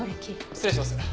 失礼します。